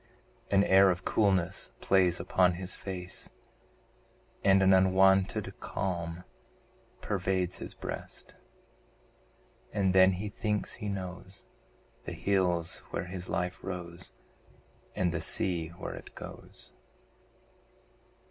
An air of coolness plays upon his face, And an unwonted calm pervades his breast. And then he thinks he knows The hills where his life rose And the sea where it goes.